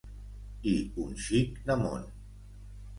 I un xic de món.